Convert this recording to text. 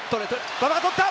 馬場が取った！